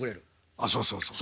あっそうそうそうそう。